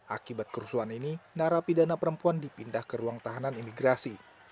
akibat kerusuhan ini narapidana perempuan dipindah ke ruang tahanan imigrasi